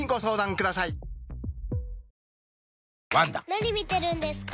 ・何見てるんですか？